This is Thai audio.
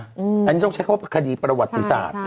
อันนี้ต้องใช้คำว่าคดีประวัติศาสตร์